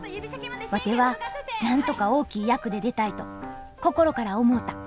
ワテはなんとか大きい役で出たいと心から思うた！